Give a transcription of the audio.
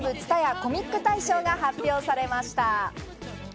コミック大賞が発表されました。